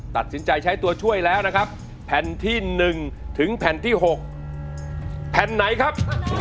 ตัดสินใจใช้ตัวช่วยแล้วนะครับแผ่นที่๑ถึงแผ่นที่๖แผ่นไหนครับ